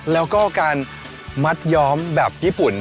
แล้วก็การมัดย้อมแบบญี่ปุ่น